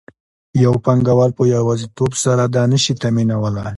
یو پانګوال په یوازیتوب سره دا نشي تامینولی